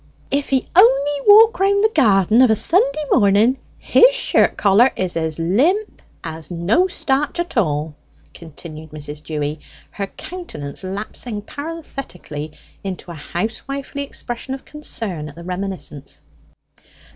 "If he only walk round the garden of a Sunday morning, his shirt collar is as limp as no starch at all," continued Mrs. Dewy, her countenance lapsing parenthetically into a housewifely expression of concern at the reminiscence.